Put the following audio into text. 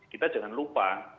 kita jangan lupa